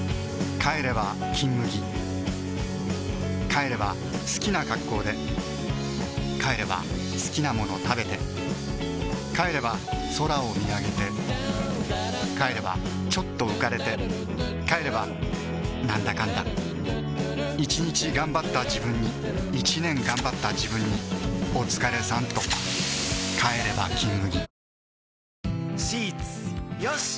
帰れば「金麦」帰れば好きな格好で帰れば好きなもの食べて帰れば空を見上げて帰ればちょっと浮かれて帰ればなんだかんだ１日がんばったジブンに１年がんばったジブンにおつかれさんとシュワー帰れば「金麦」